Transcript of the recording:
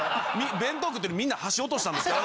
弁当食ってるみんな箸落としたんですから。